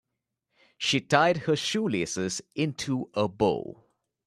She tied her shoelaces into a bow.